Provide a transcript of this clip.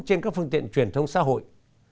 trên các phương tiện truyền thông xã hội